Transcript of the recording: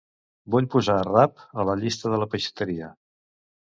Vull posar rap a la llista de la peixateria.